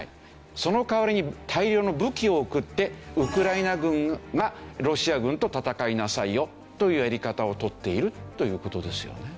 その代わりに大量の武器を送って「ウクライナ軍がロシア軍と戦いなさいよ」というやり方をとっているという事ですよね。